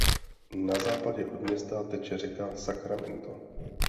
Na západě od města teče řeka Sacramento.